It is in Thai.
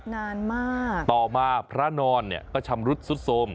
นานมากต่อมาพระนอนเนี่ยก็ชำรุดสุดโทรม